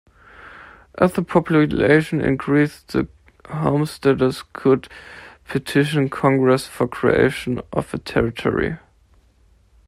As the population increased, the homesteaders could petition Congress for creation of a territory.